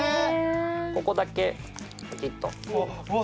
ここだけポキッと・あっ